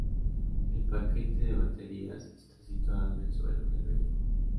El paquete de baterías está situado en el suelo del vehículo.